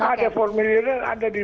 ada formidurnya ada di